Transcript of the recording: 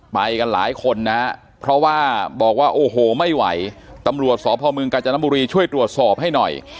ไปกันหลายคนนะเพราะว่าบอกว่าโอ้โหไม่ไหวตำรวจสพเมืองกาญจนบุรีช่วยตรวจสอบให้หน่อย